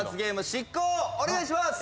お願いします！